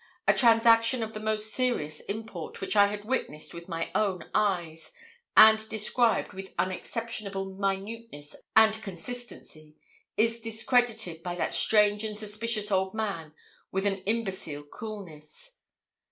A transaction of the most serious import, which I had witnessed with my own eyes, and described with unexceptionable minuteness and consistency, is discredited by that strange and suspicious old man with an imbecile coolness.